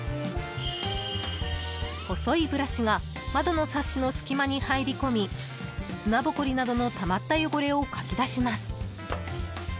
細いブラシが窓のサッシの隙間に入り込み砂ぼこりなどのたまった汚れをかき出します。